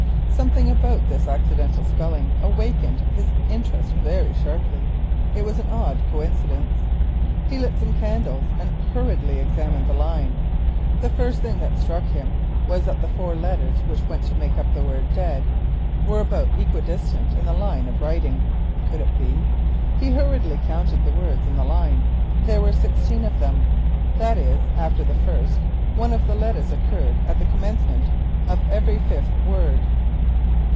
Something about this accidental spelling awakened his interest very sharply—it was an odd coincidence. He lit some candles, and hurriedly examined the line. The first thing which struck him was that the four letters which went to make up the word "dead" were about equi distant in the line of writing. Could it be? He hurriedly counted the words in the line. There were sixteen of them. That is after the first, one of the letters occurred at the commencement of every fifth word.